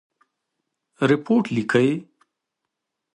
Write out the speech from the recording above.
رپوټ لیکئ؟